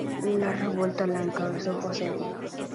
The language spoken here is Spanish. La revuelta la encabezó Joscelino.